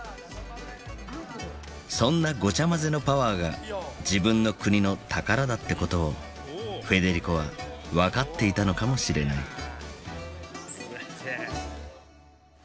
そんなごちゃ混ぜのパワーが自分の国の宝だって事をフェデリコは分かっていたのかもしれない。